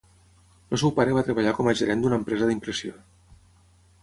El seu pare va treballar com a gerent d'una empresa d'impressió.